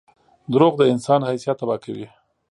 • دروغ د انسان حیثیت تباه کوي.